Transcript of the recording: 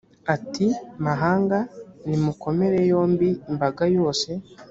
ati; mahanga, nimukomere yombi imbaga yose.